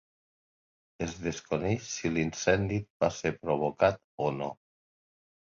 Es desconeix si l'incendi va ser provocat o no.